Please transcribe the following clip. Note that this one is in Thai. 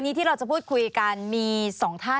มีความรู้สึกว่ามีความรู้สึกว่า